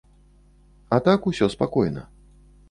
А так усё спакойна.